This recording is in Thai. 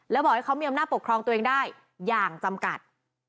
แล้วบอกให้เขามีอำนาจปกครองตัวเองได้อย่างจำกัด